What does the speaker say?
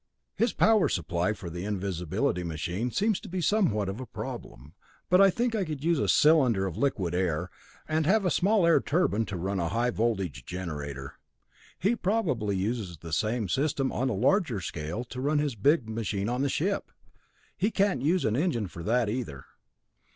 "His power supply for the invisibility machine seems to be somewhat of a problem, but I think I would use a cylinder of liquid air, and have a small air turbine to run a high voltage generator. He probably uses the same system on a larger scale to run his big machine on the ship. He can't use an engine for that either.